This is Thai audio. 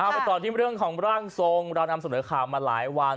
ไปต่อที่เรื่องของร่างทรงเรานำเสนอข่าวมาหลายวัน